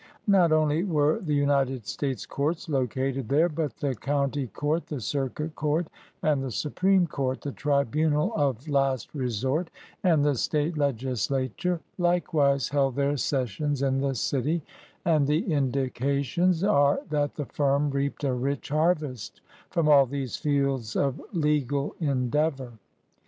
Not only were the United States courts located there, but the County Court, the Circuit Court, and the Supreme Court (the tribunal of last resort) , and the State legislature likewise, held their sessions in the city, and the indications are that the firm reaped a rich harvest from all these fields of legal endeavor.